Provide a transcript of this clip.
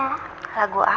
belajar lagu baru tante